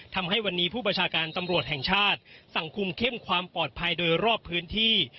ทำให้วันนี้ผู้บัญชาการตำรวจแห่งชาติสั่งคุมเข้มความปลอดภัยโดยรอบพื้นที่